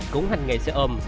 cúng hành nghề xe ôm